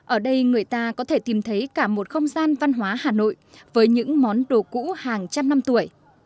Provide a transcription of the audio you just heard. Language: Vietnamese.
ở đây người ta có thể tìm thấy cả một không gian văn hóa hà nội với những món đồ cũ hàng trăm năm tuổi